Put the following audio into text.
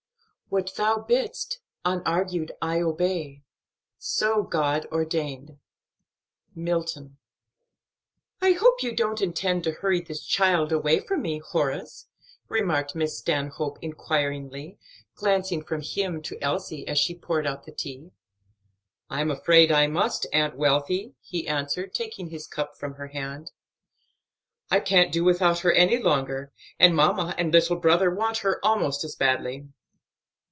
What thou bidst, Unargued I obey; so God ordained. MILTON. "I hope you don't intend to hurry this child away from me, Horace?" remarked Miss Stanhope inquiringly, glancing from him to Elsie, as she poured out the tea. "I'm afraid I must, Aunt Wealthy," he answered, taking his cup from her hand, "I can't do without her any longer, and mamma and little brother want her almost as badly."